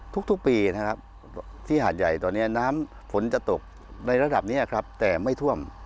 ทุกปีนะครับที่หาดใหญ่ตอนนี้น้ำฝนจะตกในระดับนี้ครับแต่ไม่ท่วม